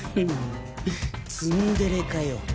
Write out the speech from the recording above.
ツンデレかよ。